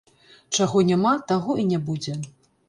Чаго няма, таго і не будзе.